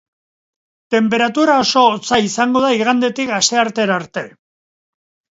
Tenperatura oso hotza izango da igandetik asteartera arte.